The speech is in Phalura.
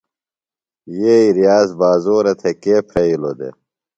ݨ یئی ریاض بازورہ تھےۡ کے پھرئِلوۡ دےۡ؟